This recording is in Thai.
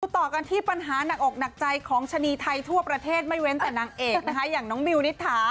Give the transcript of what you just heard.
ต่อกันที่ปัญหาหนักอกหนักใจของชะนีไทยทั่วประเทศไม่เว้นแต่นางเอกนะคะอย่างน้องมิวนิษฐา